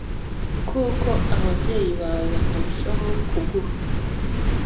kuki ababyeyi bawe batarushaho kuguha